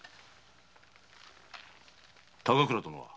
高倉殿は？